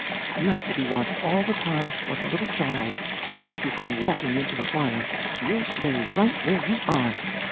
You have to be watched all the time, like a little child, to keep you from walking into the fire. You'll stay right where you are!"